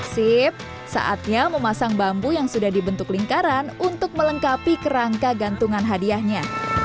sip saatnya memasang bambu yang sudah dibentuk lingkaran untuk melengkapi kerangka gantungan hadiahnya